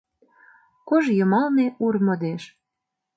Кож йымалне ур модеш;